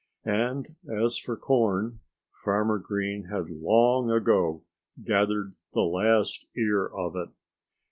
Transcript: And as for corn Farmer Green had long ago gathered the last ear of it.